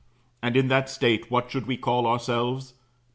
And in that state what should we call ourselves?